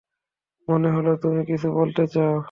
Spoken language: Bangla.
মনে হল তুমি কিছু বলতে চাও।